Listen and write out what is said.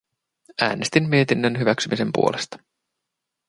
Äänestin mietinnön hyväksymisen puolesta.